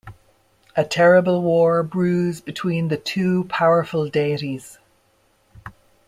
A terrible war brews between the two powerful deities.